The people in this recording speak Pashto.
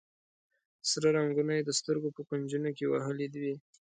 سره رنګونه یې د سترګو په کونجونو کې وهلي وي.